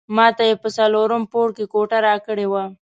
ماته یې په څلورم پوړ کې کوټه راکړې وه.